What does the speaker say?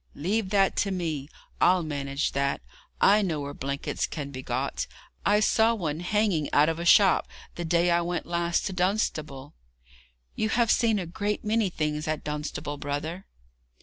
'Leave that to me; I'll manage that. I know where blankets can be got; I saw one hanging out of a shop the day I went last to Dunstable.' 'You have seen a great many things at Dunstable, brother.'